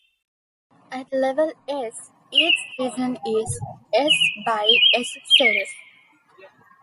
At level "s", each region is "s" by "s" cells.